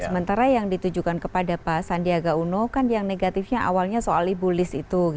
sementara yang ditujukan kepada pak sandiaga uno kan yang negatifnya awalnya soal ibu liz itu